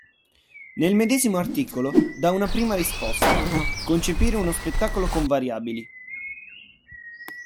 Nel medesimo articolo dà una prima risposta: "concepire uno spettacolo con variabili.